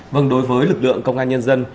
vâng đối với lực lượng công an nhân dân